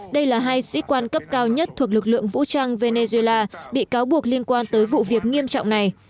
đây là hai sĩ quan cấp cao nhất thuộc lực lượng vũ trang venezuela bị cáo buộc liên quan tới vụ việc nghiêm trọng này